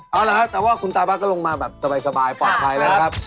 เอาละครับแต่ว่าคุณตาบ้านก็ลงมาแบบสบายปลอดภัยแล้วนะครับ